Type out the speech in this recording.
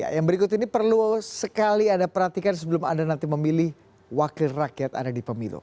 yang berikut ini perlu sekali anda perhatikan sebelum anda nanti memilih wakil rakyat anda di pemilu